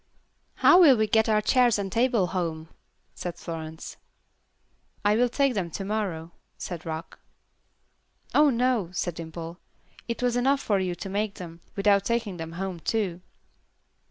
"How will we get our chairs and table home?" said Florence. "I will take them to morrow," said Rock. "Oh, no," said Dimple. "It was enough for you to make them, without taking them home, too."